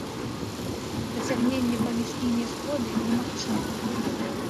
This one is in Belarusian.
Дасягненне паміж імі згоды немагчымае.